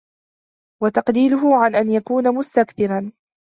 وَتَقْلِيلُهُ عَنْ أَنْ يَكُونَ مُسْتَكْثِرًا